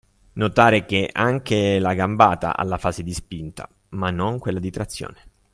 notare anche che la gambata ha la fase di spinta, ma non quella di trazione.